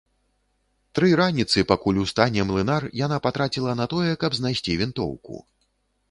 Тры раніцы, пакуль устане млынар, яна патраціла на тое, каб знайсці вінтоўку.